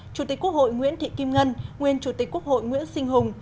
chủ tịch quốc hội nguyễn thị kim ngân nguyên chủ tịch quốc hội nguyễn sinh hùng